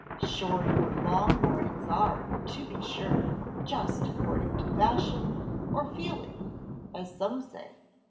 Short or long mournings are, to be sure, just according to fashion, or feeling, as some say.